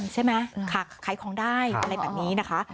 ใช่ไหมขายของได้อะไรแบบนี้นะคะ